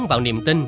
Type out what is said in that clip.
vào niềm tin